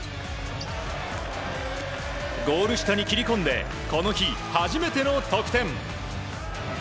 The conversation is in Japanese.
ゴール下に切り込んでこの日初めての得点。